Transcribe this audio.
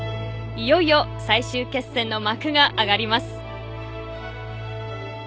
いよいよ最終決戦の幕が上がります。